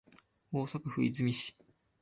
大阪府和泉市